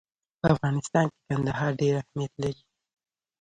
په افغانستان کې کندهار ډېر اهمیت لري.